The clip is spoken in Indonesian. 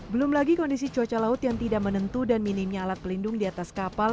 belum lagi kondisi cuaca laut yang tidak menentu dan minimnya alat pelindung di atas kapal